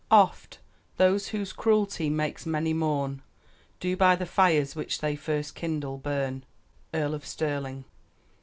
"Oft those whose cruelty makes many mourn Do by the fires which they first kindle burn." EARL OF STIRLING.